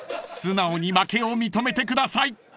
［素直に負けを認めてください］